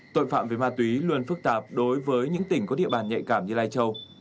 tội phạm về ma túy luôn phức tạp đối với những tỉnh có địa bàn nhạy cảm như lai châu